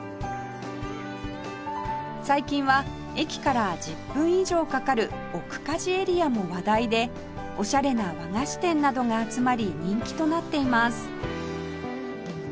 最近は駅から１０分以上かかる奥梶エリアも話題でオシャレな和菓子店などが集まり人気となっています